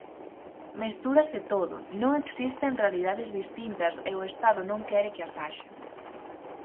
Mestúrase todo, non existen realidades distintas e o Estado non quere que as haxa.